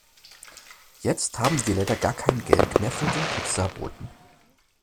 Jetzt haben wir leider gar kein Geld mehr für den Pizzaboten.